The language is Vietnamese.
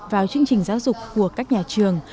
vào chương trình giáo dục của các nhà trường